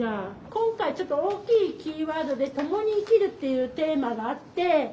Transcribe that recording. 今回ちょっと大きいキーワードで“ともに生きる”っていうテーマがあって。